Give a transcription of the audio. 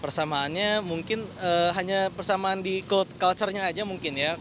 persamaannya mungkin hanya persamaan di kult culture nya aja mungkin ya